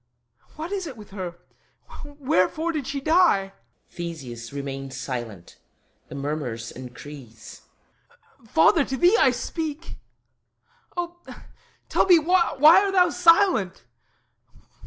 What is it with her? Wherefore did she die? [THESEUS remains silent. The murmurs increase.] Father, to thee I speak. Oh, tell me, why, Why art thou silent?